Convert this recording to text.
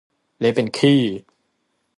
เละเป็นขี้